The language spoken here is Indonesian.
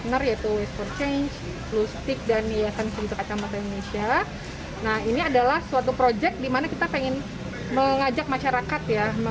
dari betul plastik bekas menjadi sesuatu yang bermanfaat